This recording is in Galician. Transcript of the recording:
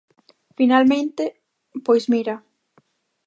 Finalmente, pois mira...